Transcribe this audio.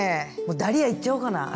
ダリアいっちゃおうかな。